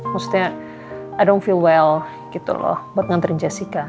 maksudnya ⁇ don feel well gitu loh buat nganterin jessica